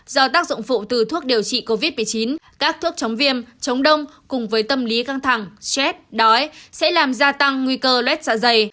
do tác dụng phụ từ thuốc điều trị covid một mươi chín các thuốc chống viêm chống đông cùng với tâm lý căng thẳng chết đói sẽ làm gia tăng nguy cơ lét dạ dày